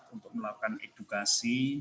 untuk melakukan edukasi